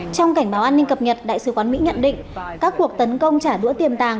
trong cảnh báo an ninh cập nhật đại sứ quán mỹ nhận định các cuộc tấn công trả đũa tiềm tàng